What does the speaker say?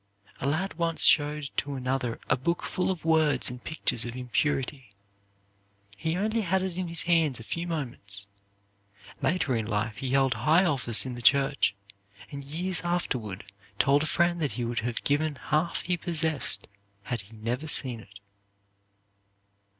A lad once showed to another a book full of words and pictures of impurity. He only had it in his hands a few moments. Later in life he held high office in the church, and years afterward told a friend that he would have given half he possessed had he never seen it.